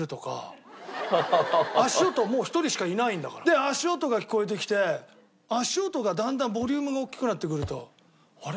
で足音が聞こえてきて足音がだんだんボリュームが大きくなってくるとあれ？